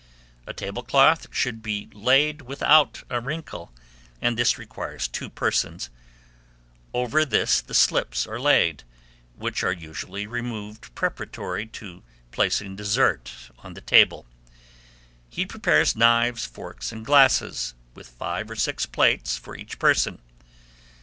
A tablecloth should be laid without a wrinkle; and this requires two persons: over this the slips are laid, which are usually removed preparatory to placing dessert on the table. He prepares knives, forks, and glasses, with five or six plates for each person.